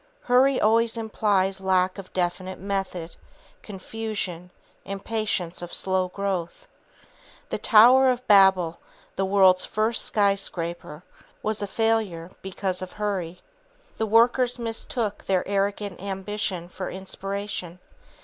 Hurry always implies lack of definite method, confusion, impatience of slow growth. The Tower of Babel, the world's first skyscraper, was a failure because of hurry. The workers mistook their arrogant ambition for inspiration.